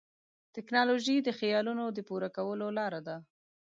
ټیکنالوژي د خیالونو د پوره کولو لاره ده.